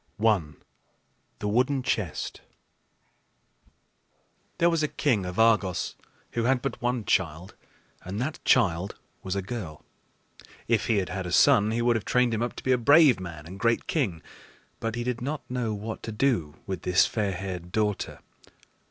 I. THE WOODEN CHEST. There was a king of Argos who had but one child, and that child was a girl. If he had had a son, he would have trained him up to be a brave man and great king; but he did not know what to do with this fair haired daughter.